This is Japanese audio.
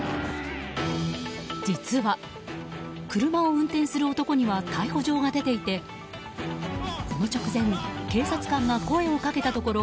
実は、車を運転する男には逮捕状が出ていてこの直前警察官が声をかけたところ